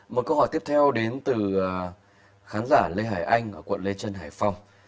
một câu hỏi tiếp theo đến từ khán giả lê hải anh ở quận lê trân hải phòng